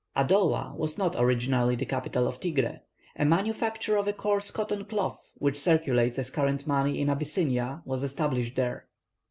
Adowa was not originally the capital of Tigré. A manufacture of a coarse cotton cloth which circulates as current money in Abyssinia was established there.